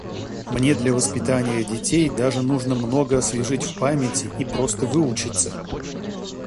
Мне для воспитания детей даже нужно много освежить в памяти и просто выучиться.